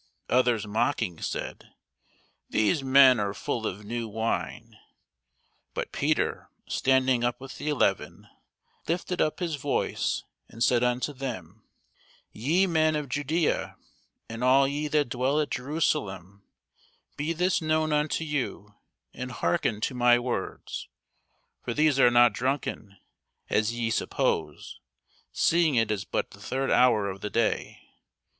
Others mocking said, These men are full of new wine. But Peter, standing up with the eleven, lifted up his voice, and said unto them, Ye men of Judæa, and all ye that dwell at Jerusalem, be this known unto you, and hearken to my words: for these are not drunken, as ye suppose, seeing it is but the third hour of the day.